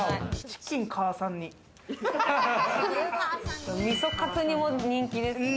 味噌かつ煮も人気です。